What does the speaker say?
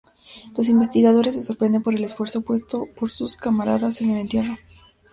Los investigadores se sorprenden por el esfuerzo puesto por sus camaradas en el entierro.